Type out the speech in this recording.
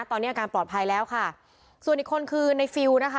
ตอนนี้อาการปลอดภัยแล้วค่ะส่วนอีกคนคือในฟิลล์นะคะ